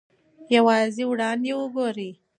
یوازې وړاندې وګورئ.